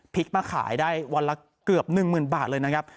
มาขายได้วันละเกือบ๑๐๐๐บาทเลยนะครับ